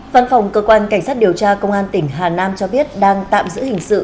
văn phòng cơ quan cảnh sát điều tra công an tỉnh hà nam cho biết đang tạm giữ hình sự